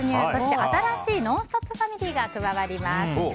そして、新しい「ノンストップ！」メンバーが加わります。